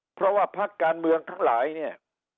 เพราะว่าพักการเมืองทั้งหลายเนี่ย